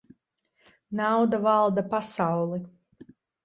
Nauda valda pasauli.